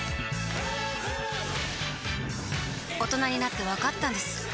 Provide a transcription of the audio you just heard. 大人になってわかったんです